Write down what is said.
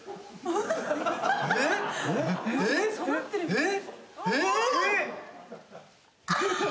・えっ？